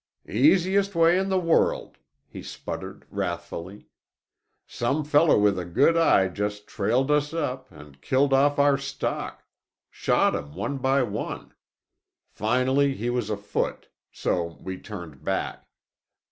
"Easiest way in the world," he sputtered wrathfully. "Some feller with a good eye just trailed us up, and killed off our stock—shot 'em one by one. Finally we was afoot. So we turned back.